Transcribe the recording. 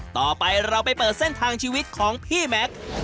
ต่อไปเราไปเปิดเส้นทางชีวิตของพี่แม็กซ์